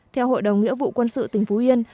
theo hội đồng nghĩa vụ quân sự tỉnh phú yên